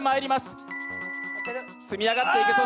積み上がっていく。